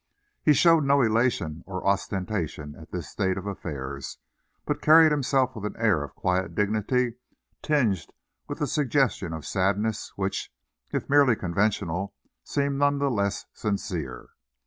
He showed no elation or ostentation at this state of affairs, but carried himself with an air of quiet dignity, tinged with a suggestion of sadness, which, if merely conventional, seemed none the less sincere.